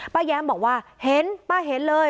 แย้มบอกว่าเห็นป้าเห็นเลย